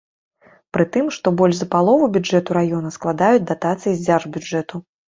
Пры тым, што больш за палову бюджэту раёна складаюць датацыі з дзяржбюджэту.